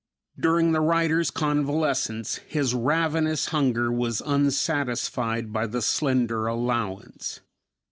During the writer's convalescence, his ravenous hunger was unsatisfied by the slender allowance.